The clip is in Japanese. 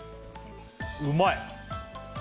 うまい！